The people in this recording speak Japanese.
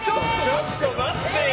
ちょっと待ってよ！